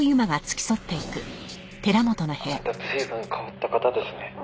「あなた随分変わった方ですね」